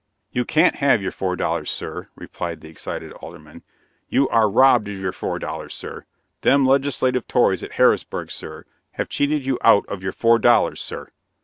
"You can't have your four dollars, Sir," replied the excited Alderman. "You are robbed of your four dollars, Sir. Them legislative tories at Harrisburg, Sir, have cheated you out of your four dollars, Sir.